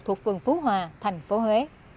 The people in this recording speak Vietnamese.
thuộc phường phú hòa thành phố huế